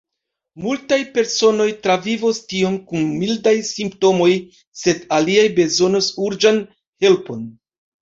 Multaj personoj travivos tion kun mildaj simptomoj, sed aliaj bezonos urĝan helpon.